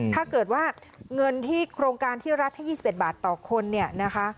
ถ้าเกิดว่าเงินที่โครงการที่รัฐให้๒๑บาทต่อคนเนี่ยนะคะ